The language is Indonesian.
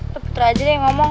tepuk terajur ya ngomong